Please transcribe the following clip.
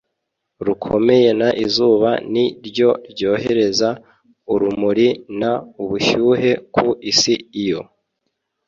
rukomeye n izuba ni ryo ryohereza urumuri n ubushyuhe ku isi iyo